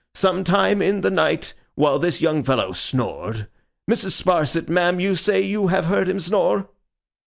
Some time in the night, while this young fellow snored—Mrs. Sparsit, ma'am, you say you have heard him snore?